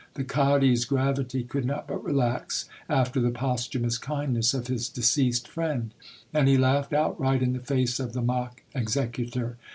The cadi's gravity could not but relax, after the posthumous kindness of his deceased friend ; and he laughed outright in the face of the mock executor.